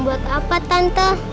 buat apa tante